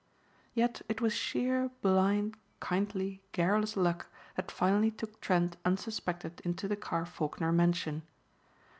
Yet it was sheer blind, kindly, garrulous luck that finally took Trent unsuspected into the Carr Faulkner mansion.